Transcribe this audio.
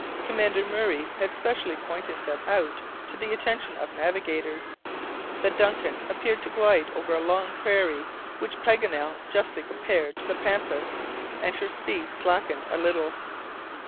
Commander Murray had specially pointed them out to the attention of navigators. The DUNCAN appeared to glide over a long prairie, which Paganel justly compared to the Pampas, and her speed slackened a little.